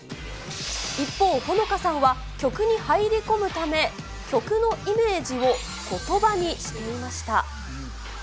一方、ホノカさんは曲に入り込むため、曲のイメージをことばにしていました。